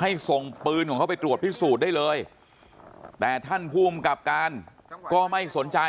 ให้ส่งปืนของเขาไปตรวจพิสูจน์ได้เลยแต่ท่านภูมิกับการก็ไม่สนใจ